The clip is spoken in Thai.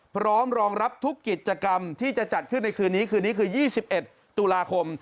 พร้อมรองรับทุกกิจกรรมที่จะจัดขึ้นในคืนนี้คืนนี้คือ๒๑ตุลาคม